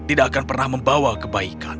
tidak akan pernah membawa kebaikan